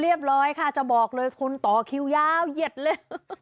เรียบร้อยค่ะจะบอกเลยคุณต่อคิวยาวเหยียดเลย